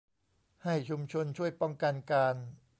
ให้ชุมชนช่วยป้องกันการ